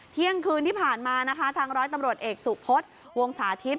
เที่ยงคืนที่ผ่านมานะคะทางร้อยตำรวจเอกสุพศวงศาทิพย